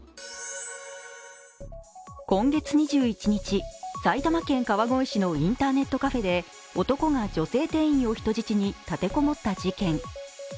今月２１日、埼玉県川越市のインターネットカフェで男が女性店員を人質に立て籠もった事件。